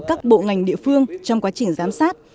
các bộ ngành địa phương trong quá trình giám sát